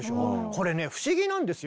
これね不思議なんですよ。